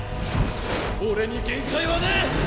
俺に限界はねえ！